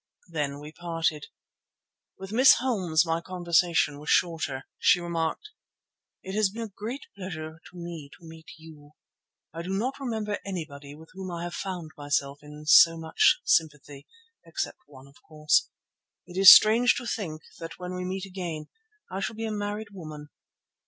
Then we parted. With Miss Holmes my conversation was shorter. She remarked, "It has been a great pleasure to me to meet you. I do not remember anybody with whom I have found myself in so much sympathy—except one of course. It is strange to think that when we meet again I shall be a married woman."